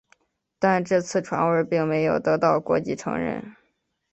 但这次传位并没有得到国际承认。